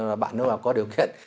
nên là bạn nếu mà có điều kiện